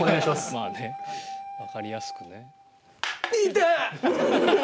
まあね分かりやすくね。